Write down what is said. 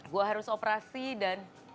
gue harus operasi dan